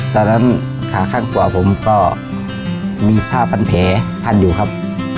ตอนนั้นขาข้างกว่าผมก็มีผ้าพันเพลยันอยู่ครับ